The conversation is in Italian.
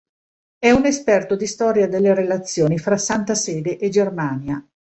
È un esperto di storia delle relazioni fra Santa Sede e Germania.